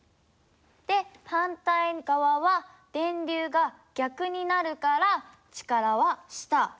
で反対側は電流が逆になるから力は下。